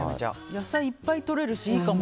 野菜いっぱいとれるしいいかも。